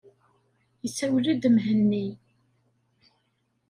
Isawel-d Mhenni.